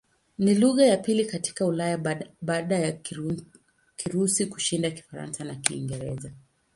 Ni lugha ya pili katika Ulaya baada ya Kirusi kushinda Kifaransa na Kiingereza.